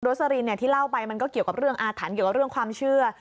สลินที่เล่าไปมันก็เกี่ยวกับเรื่องอาถรรพ์เกี่ยวกับเรื่องความเชื่อ